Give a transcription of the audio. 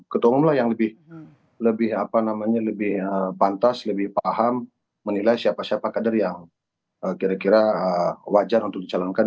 ketua umum lah yang lebih pantas lebih paham menilai siapa siapa kader yang kira kira wajar untuk dicalonkan